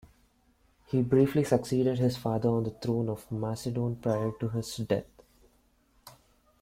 He briefly succeeded his father on the throne of Macedon prior to his death.